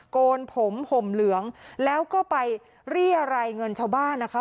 โกนผมห่มเหลืองแล้วก็ไปเรียรัยเงินชาวบ้านนะคะ